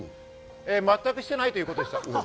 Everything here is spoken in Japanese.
全くしてないということです。